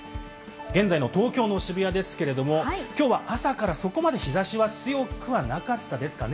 現在の東京の渋谷ですけれども、きょうは朝からそこまで日差しは強くはなかったですかね。